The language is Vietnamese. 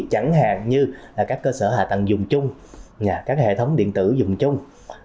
chẳng hạn như là các cơ sở hạ tầng dùng chung các hệ thống điện tử dùng chung